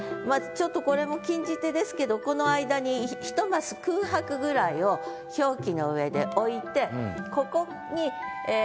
ちょっとこれも禁じ手ですけどこの間にひとマス空白ぐらいを表記のうえで置いてここにええ